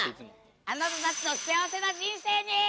あなたたちの幸せな人生に。